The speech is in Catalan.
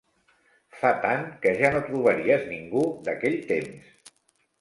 Fa tant, que ja no trobaries ningú d'aquell temps.